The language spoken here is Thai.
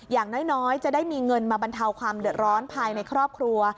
อย่างน้อยจะได้มีเงินมาบรรเทาความเดือดร้อนภายในครอบครัว